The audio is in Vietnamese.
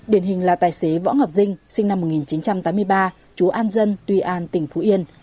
điển hình là tài xế võ ngọc dinh sinh năm một nghìn chín trăm tám mươi ba chú an dân tuy an tỉnh phú yên